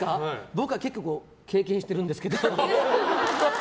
僕は結構経験してるんですけど。